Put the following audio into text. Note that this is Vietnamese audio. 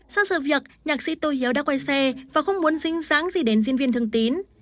sau sự việc nhạc sĩ tô hiếu đã quay xe và không muốn dính dáng gì đến diễn viên thương tín